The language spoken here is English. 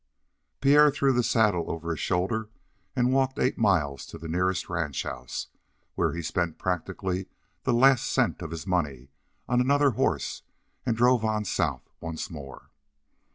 Pierre threw the saddle over his shoulder and walked eight miles to the nearest ranch house, where he spent practically the last cent of his money on another horse, and drove on south once more.